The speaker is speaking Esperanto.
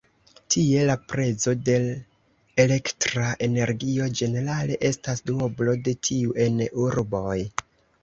Tie la prezo de elektra energio ĝenerale estas duoblo de tiu en urboj.